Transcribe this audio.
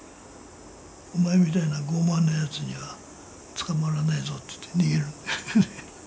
お前みたいな傲慢なやつには捕まらないぞっていって逃げる。